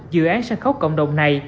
dự án sân khấu cộng đồng này